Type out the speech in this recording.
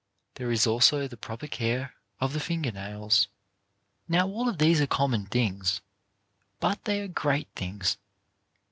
There is also the proper care of the finger nails. Now all of these are common things, but they are great things.